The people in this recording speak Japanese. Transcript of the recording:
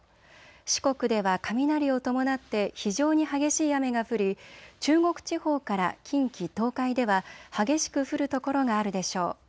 四国では雷を伴って非常に激しい雨が降り中国地方から近畿、東海では激しく降る所があるでしょう。